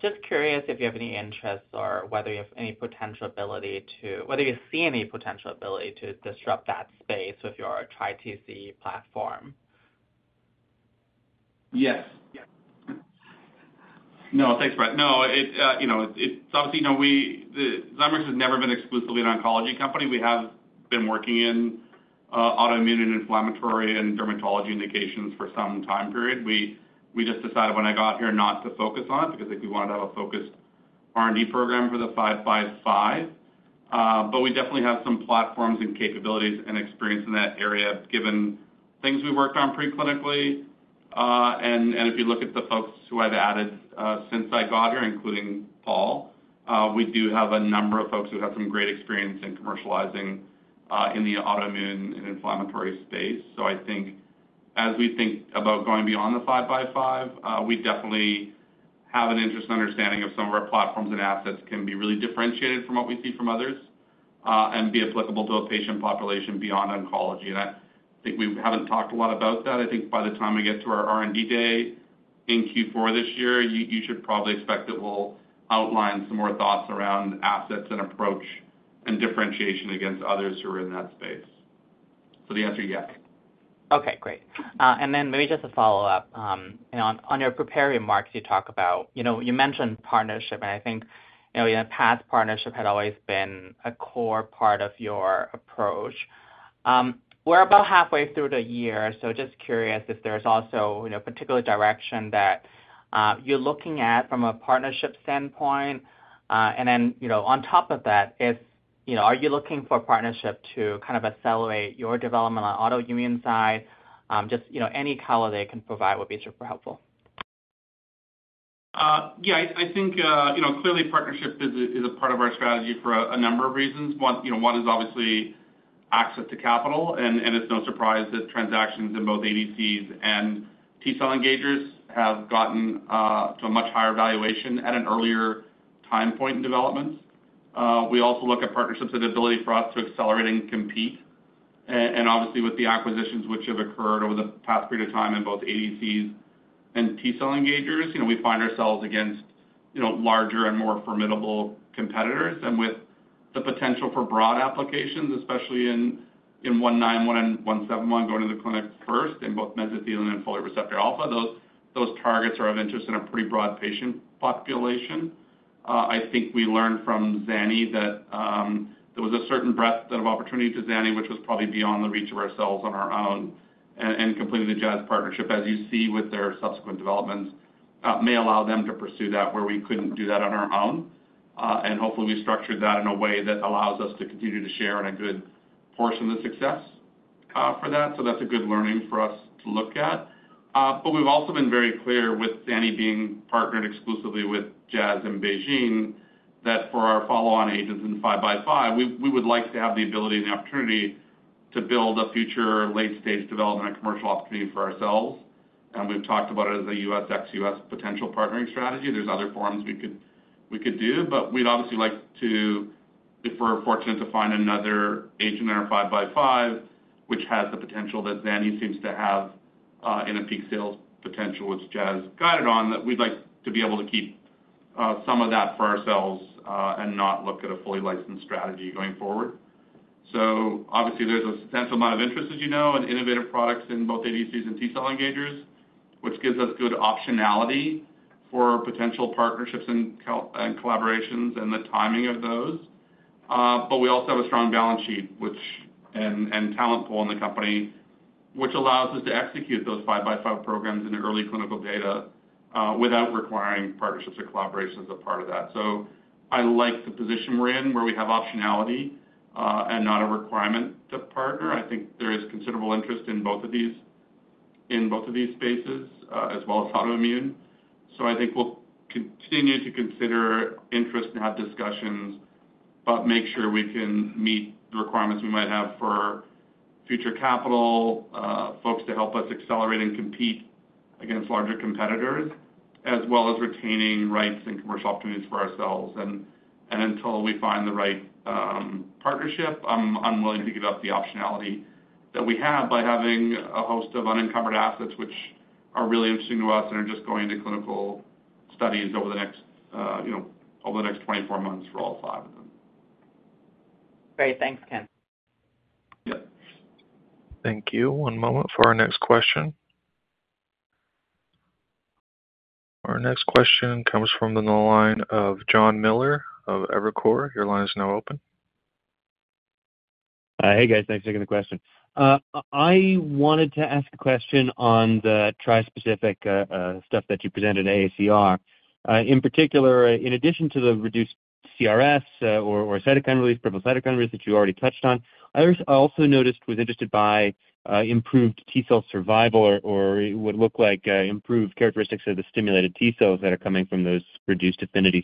Speaker 8: Just curious if you have any interests or whether you see any potential ability to disrupt that space with your TriTCE platform?
Speaker 3: Yes. Yes. No, thanks, Brian. No, it, you know, it's obviously, you know, we Zymeworks has never been exclusively an oncology company. We have been working in autoimmune and inflammatory and dermatology indications for some time period. We just decided when I got here not to focus on it, because I think we wanted to have a focused R&D program for the 5 by 5. But we definitely have some platforms and capabilities and experience in that area, given things we worked on pre-clinically. And if you look at the folks who I've added since I got here, including Paul, we do have a number of folks who have some great experience in commercializing in the autoimmune and inflammatory space. So I think as we think about going beyond the 5 by 5, we definitely have an interest and understanding of some of our platforms and assets can be really differentiated from what we see from others, and be applicable to a patient population beyond oncology. And I think we haven't talked a lot about that. I think by the time we get to our R&D day in Q4 this year, you should probably expect that we'll outline some more thoughts around assets and approach and differentiation against others who are in that space. So the answer is yes.
Speaker 8: Okay, great. And then maybe just a follow-up. You know, on your prepared remarks, you talk about, you know, you mentioned partnership, and I think, you know, your past partnership had always been a core part of your approach. We're about halfway through the year, so just curious if there's also, you know, a particular direction that you're looking at from a partnership standpoint. And then, you know, on top of that, if, you know, are you looking for a partnership to kind of accelerate your development on autoimmune side? Just, you know, any color there can provide would be super helpful.
Speaker 3: Yeah, I think, you know, clearly partnership is a part of our strategy for a number of reasons. One, you know, one is obviously access to capital, and it's no surprise that transactions in both ADCs and T cell engagers have gotten to a much higher valuation at an earlier time point in development. We also look at partnerships and ability for us to accelerate and compete. And obviously, with the acquisitions which have occurred over the past period of time in both ADCs and T cell engagers, you know, we find ourselves against, you know, larger and more formidable competitors. And with the potential for broad applications, especially in 191 and 171, going to the clinic first in both mesothelin and folate receptor alpha. Those targets are of interest in a pretty broad patient population. I think we learned from Zani that there was a certain breadth of opportunity to Zani, which was probably beyond the reach of ourselves on our own, and completing the Jazz partnership, as you see with their subsequent developments, may allow them to pursue that where we couldn't do that on our own. And hopefully, we've structured that in a way that allows us to continue to share in a good portion of the success, for that. So that's a good learning for us to look at. But we've also been very clear with Zani being partnered exclusively with Jazz and BeiGene, that for our follow-on agents in five by five, we would like to have the ability and the opportunity to build a future late-stage development and commercial opportunity for ourselves. And we've talked about it as a U.S. ex-U.S. potential partnering strategy. There's other forums we could do, but we'd obviously like to, if we're fortunate to find another agent in our five by five, which has the potential that Zani seems to have, in a peak sales potential, which Jazz guided on, that we'd like to be able to keep some of that for ourselves, and not look at a fully licensed strategy going forward. So obviously, there's a substantial amount of interest, as you know, in innovative products in both ADCs and T-cell engagers, which gives us good optionality for potential partnerships and collaborations and the timing of those. But we also have a strong balance sheet and talent pool in the company, which allows us to execute those 5 by 5 programs into early clinical data, without requiring partnerships or collaborations as a part of that. So I like the position we're in, where we have optionality, and not a requirement to partner. I think there is considerable interest in both of these, in both of these spaces, as well as autoimmune. So I think we'll continue to consider interest and have discussions, but make sure we can meet the requirements we might have for future capital, folks to help us accelerate and compete against larger competitors, as well as retaining rights and commercial opportunities for ourselves. And until we find the right partnership, I'm willing to give up the optionality that we have by having a host of unencumbered assets, which are really interesting to us and are just going to clinical studies over the next, you know, over the next 24 months for all five of them.
Speaker 8: Great. Thanks, Ken.
Speaker 3: Yeah.
Speaker 1: Thank you. One moment for our next question. Our next question comes from the line of Jon Miller of Evercore. Your line is now open.
Speaker 9: Hey, guys. Thanks for taking the question. I wanted to ask a question on the trispecific stuff that you presented at AACR. In particular, in addition to the reduced CRS, or cytokine release, profound cytokine release that you already touched on, I also noticed, was interested by, improved T-cell survival or it would look like improved characteristics of the stimulated T-cells that are coming from those reduced affinity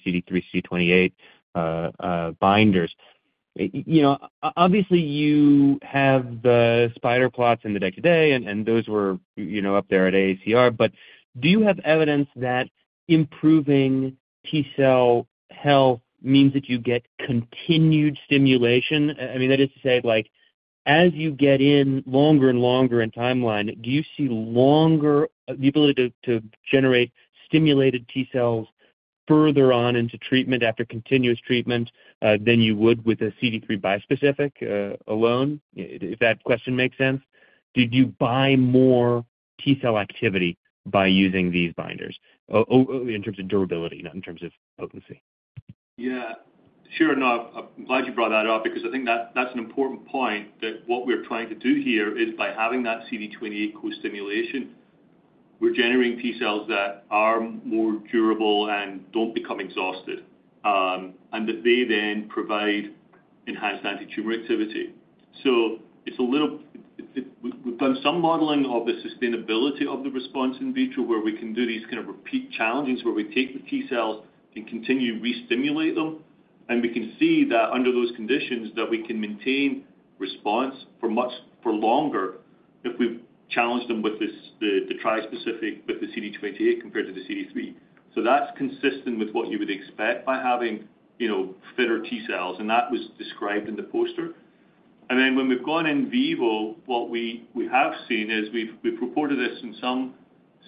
Speaker 9: CD3/CD28 binders. You know, obviously, you have the spider plots in the deck today, and those were, you know, up there at AACR, but do you have evidence that improving T-cell health means that you get continued stimulation? I mean, that is to say, like, as you get in longer and longer in timeline, do you see longer the ability to generate stimulated T-cells further on into treatment after continuous treatment than you would with a CD3 bispecific alone? If that question makes sense. Did you buy more T-cell activity by using these binders? Only in terms of durability, not in terms of potency.
Speaker 3: Yeah, sure enough. I'm glad you brought that up because I think that's, that's an important point, that what we're trying to do here is by having that CD28 co-stimulation, we're generating T-cells that are more durable and don't become exhausted, and that they then provide enhanced antitumor activity. We've done some modeling of the sustainability of the response in vitro, where we can do these kind of repeat challenges where we take the T-cells and continue to restimulate them, and we can see that under those conditions, that we can maintain response for much, for longer, if we've challenged them with this trispecific, with the CD28 compared to the CD3. So that's consistent with what you would expect by having, you know, fitter T-cells, and that was described in the poster. Then when we've gone in vivo, what we have seen is we've reported this in some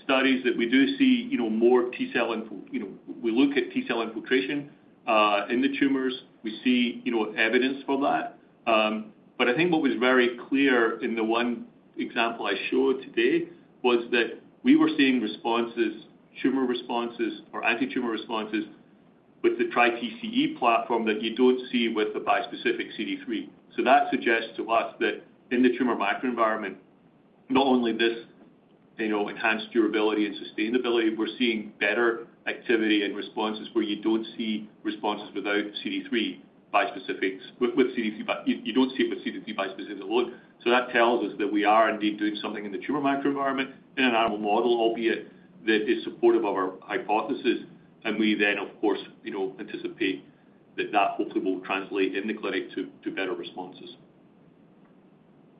Speaker 3: studies that we do see, you know, more T-cell infiltration, you know, we look at T-cell infiltration in the tumors. We see, you know, evidence for that. But I think what was very clear in the one example I showed today was that we were seeing responses, tumor responses or antitumor responses with the TriTCE platform that you don't see with the bispecific CD3. So that suggests to us that in the tumor microenvironment, not only this, you know, enhanced durability and sustainability, we're seeing better activity and responses where you don't see responses without CD3 bispecifics. With CD3 bispecific alone, you don't see it. So that tells us that we are indeed doing something in the tumor microenvironment in an animal model, albeit that is supportive of our hypothesis, and we then, of course, you know, anticipate that that hopefully will translate in the clinic to better responses.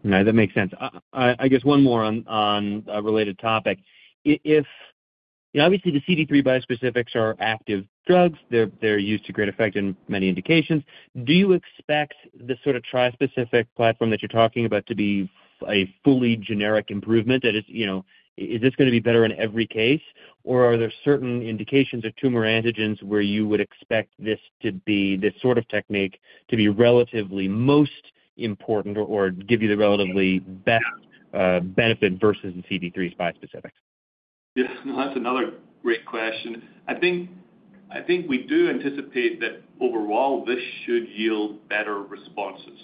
Speaker 9: Yeah, that makes sense. I guess one more on a related topic. If... Obviously, the CD3 bispecifics are active drugs. They're used to great effect in many indications. Do you expect the sort of trispecific platform that you're talking about to be a fully generic improvement? That it's, you know, is this gonna be better in every case, or are there certain indications of tumor antigens where you would expect this to be, this sort of technique, to be relatively most important or give you the relatively best benefit versus the CD3 bispecifics?
Speaker 3: Yeah, that's another great question. I think we do anticipate that overall this should yield better responses.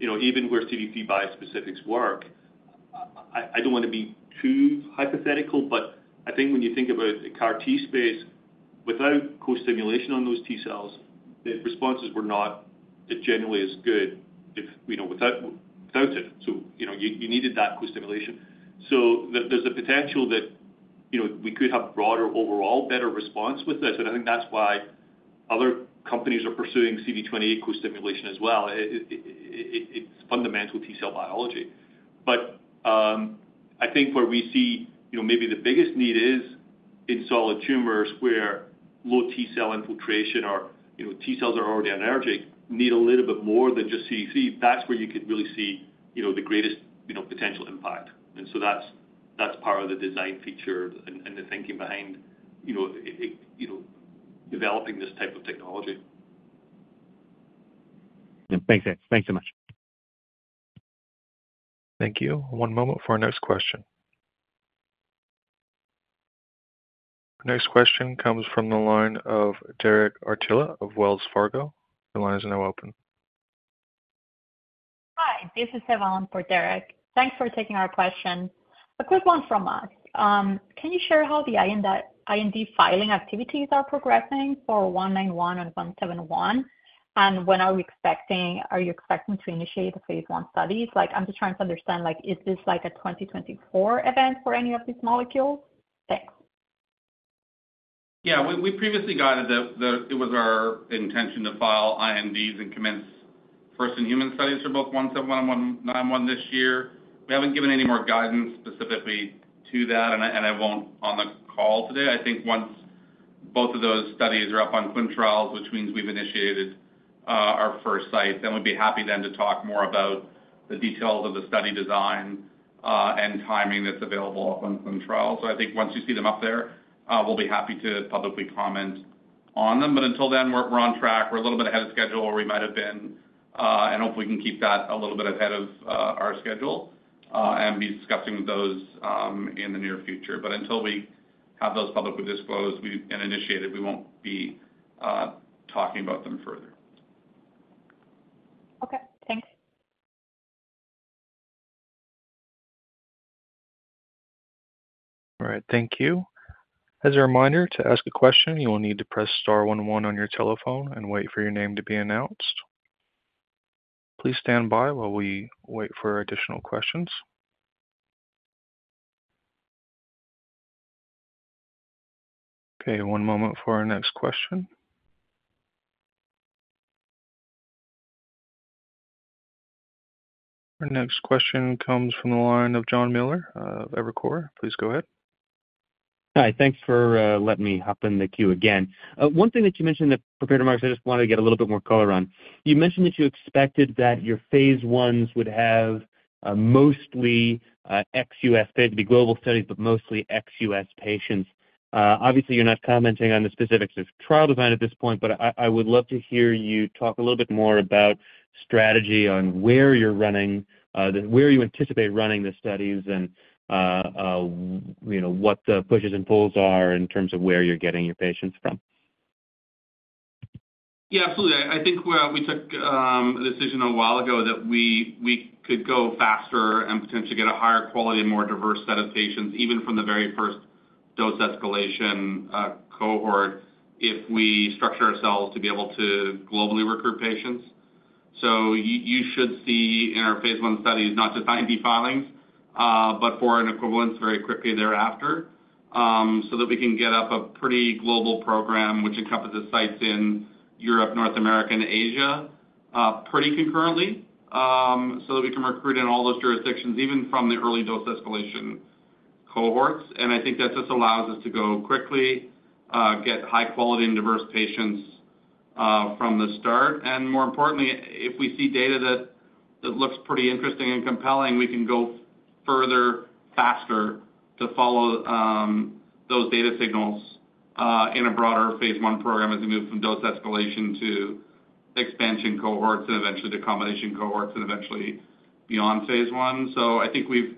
Speaker 3: You know, even where CD3 bispecifics work, I don't want to be too hypothetical, but I think when you think about the CAR T space, without co-stimulation on those T-cells, the responses were not as generally as good if you know without it. So you know you needed that co-stimulation. So there's a potential that you know we could have broader overall better response with this, and I think that's why other companies are pursuing CD28 co-stimulation as well. It's fundamental T-cell biology. But I think where we see you know maybe the biggest need is in solid tumors where low T-cell infiltration or you know T-cells are already anergic, need a little bit more than just CD3. That's where you could really see, you know, the greatest, you know, potential impact. And so that's part of the design feature and the thinking behind, you know, it, you know, developing this type of technology.
Speaker 9: Thanks. Thanks so much.
Speaker 1: Thank you. One moment for our next question. Next question comes from the line of Derek Archila of Wells Fargo. Your line is now open.
Speaker 10: Hi, this is Evelyn for Derek. Thanks for taking our question. A quick one from us. Can you share how the IND filing activities are progressing for ZW191 and ZW171? And when are you expecting to initiate the phase 1 studies? Like, I'm just trying to understand, like, is this like a 2024 event for any of these molecules? Thanks.
Speaker 3: Yeah, we previously guided that it was our intention to file INDs and commence first in human studies for both 171 and 191 this year. We haven't given any more guidance specifically to that, and I won't on the call today. I think once both of those studies are up on ClinicalTrials.gov, which means we've initiated our first site, then we'd be happy then to talk more about the details of the study design and timing that's available on ClinicalTrials.gov. So I think once you see them up there, we'll be happy to publicly comment on them, but until then, we're on track. We're a little bit ahead of schedule where we might have been, and hopefully, we can keep that a little bit ahead of our schedule, and be discussing those in the near future. But until we have those publicly disclosed and initiated, we won't be talking about them further.
Speaker 10: Okay, thanks.
Speaker 1: All right. Thank you. As a reminder, to ask a question, you will need to press star one one on your telephone and wait for your name to be announced. Please stand by while we wait for additional questions. Okay, one moment for our next question. Our next question comes from the line of Jon Miller of Evercore. Please go ahead.
Speaker 9: Hi. Thanks for letting me hop in the queue again. One thing that you mentioned that prepared remarks, I just wanted to get a little bit more color on: You mentioned that you expected that your phase ones would have mostly ex-U.S. They'd be global studies, but mostly ex-U.S. patients. Obviously, you're not commenting on the specifics of trial design at this point, but I would love to hear you talk a little bit more about strategy on where you're running where you anticipate running the studies and you know what the pushes and pulls are in terms of where you're getting your patients from.
Speaker 3: Yeah, absolutely. I think we took a decision a while ago that we could go faster and potentially get a higher quality and more diverse set of patients, even from the very first dose escalation cohort, if we structure ourselves to be able to globally recruit patients. So you should see in our phase one studies, not just IND filings, but foreign equivalents very quickly thereafter, so that we can get up a pretty global program which encompasses sites in Europe, North America and Asia, pretty concurrently, so that we can recruit in all those jurisdictions, even from the early dose escalation cohorts. And I think that just allows us to go quickly, get high quality and diverse patients, from the start. More importantly, if we see data that looks pretty interesting and compelling, we can go further, faster to follow those data signals in a broader phase one program as we move from dose escalation to expansion cohorts and eventually to combination cohorts and eventually beyond phase one. I think we've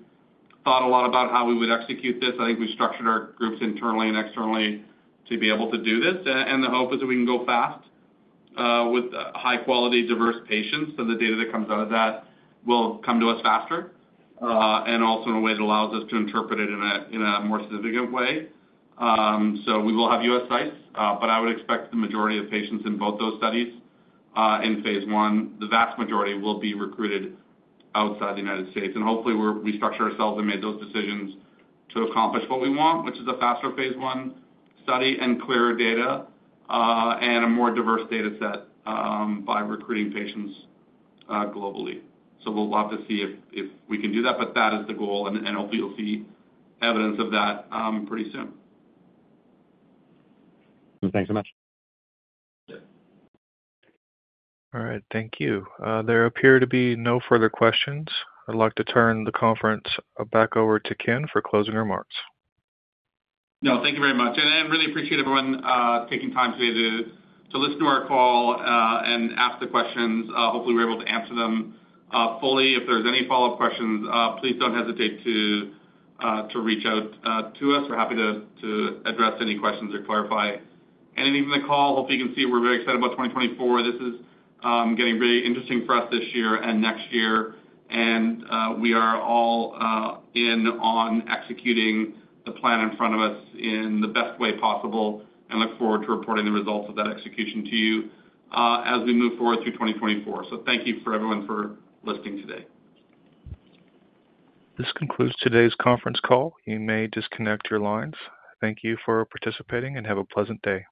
Speaker 3: thought a lot about how we would execute this. I think we've structured our groups internally and externally to be able to do this, and the hope is that we can go fast with high quality, diverse patients. The data that comes out of that will come to us faster and also in a way that allows us to interpret it in a more significant way. So we will have US sites, but I would expect the majority of patients in both those studies, in phase one, the vast majority will be recruited outside the United States. And hopefully, we structured ourselves and made those decisions to accomplish what we want, which is a faster phase one study and clearer data, and a more diverse data set, by recruiting patients globally. So we'll have to see if we can do that, but that is the goal, and hopefully you'll see evidence of that pretty soon.
Speaker 9: Thanks so much.
Speaker 3: Yeah.
Speaker 1: All right. Thank you. There appear to be no further questions. I'd like to turn the conference back over to Ken for closing remarks.
Speaker 3: No, thank you very much, and I really appreciate everyone taking time today to listen to our call and ask the questions. Hopefully, we were able to answer them fully. If there's any follow-up questions, please don't hesitate to reach out to us. We're happy to address any questions or clarify anything in the call. Hopefully, you can see we're very excited about 2024. This is getting very interesting for us this year and next year, and we are all in on executing the plan in front of us in the best way possible and look forward to reporting the results of that execution to you as we move forward through 2024. So thank you for everyone for listening today.
Speaker 1: This concludes today's conference call. You may disconnect your lines. Thank you for participating, and have a pleasant day.